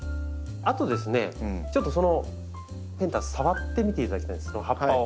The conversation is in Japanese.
あとですねちょっとそのペンタス触ってみていただきたいんです葉っぱを。